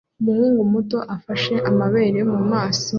Umuhungu muto afashe amabere mumaso